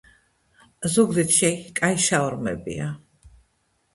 ზუგდიდში კაი შაურმებია